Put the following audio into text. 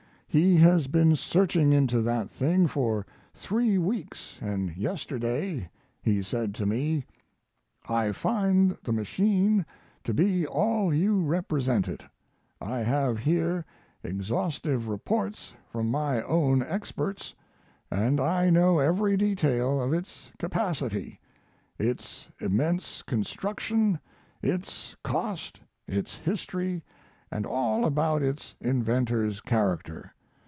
He has been searching into that thing for three weeks and yesterday he said to me: "I find the machine to be all you represent it. I have here exhaustive reports from my own experts, and I know every detail of its capacity, its immense construction, its cost, its history, and all about its inventor's character.